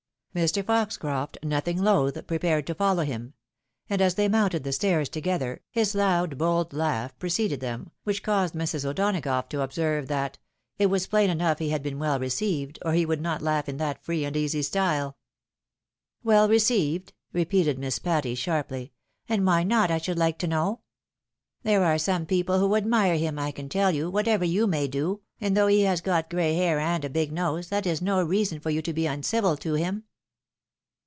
ilr. Foxcroft, nothing loath, prepared to follow him ; and as they mounted the stairs together, his loud, bold laugh preceded them, which caused Mrs. O'Donagough to observe that " It was plain enough he had been well received, or he would not laugh in that free and easy style." " Well received ?" repeated Miss Patty, sharply, " and why not, I should like to know ? There are some people who admire him, I can teU you, whatever you may do, and though he has got gray hair and a big nose, that is no reason for you to be uncivil to him."